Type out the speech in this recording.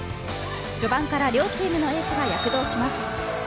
序盤から両チームのエースが躍動します。